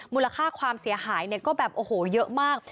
มูลค่าความเสียหายเนี่ยก็แบบโอ้โหเยอะมาก